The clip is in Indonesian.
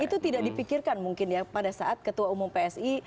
itu tidak dipikirkan mungkin ya pada saat ketua umum psi